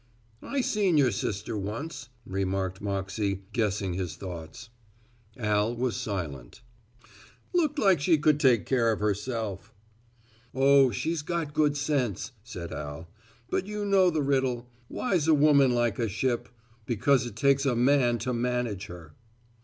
"I seen your sister once," remarked Moxey, guessing his thoughts. Al was silent. "Looked like she could take care of herself." "Oh, she's got good sense," said Al, "but you know the riddle, 'Why's a woman like a ship? Because it takes a man to manage her.'"